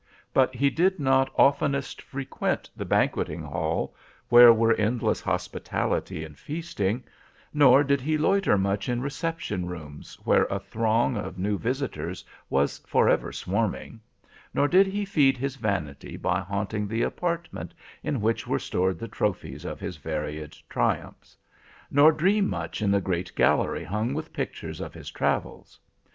But he did not oftenest frequent the banqueting hall, where were endless hospitality and feasting—nor did he loiter much in reception rooms, where a throng of new visitors was forever swarming—nor did he feed his vanity by haunting the apartment in which were stored the trophies of his varied triumphs—nor dream much in the great gallery hung with pictures of his travels.